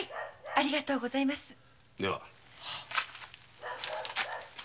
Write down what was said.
ありがとうございます。